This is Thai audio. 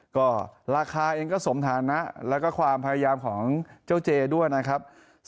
ก็ราคาเองก็สมฐานะแล้วก็ความพยายามของเจ้าเจด้วยนะครับ